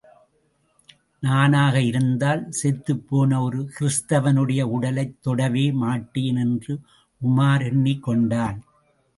நானாக இருந்தால் செத்துப்போன ஒரு கிறிஸ்துவனுடைய உடலைத் தொடவே மாட்டேன் என்று உமார் எண்ணிக் கொண்டான்.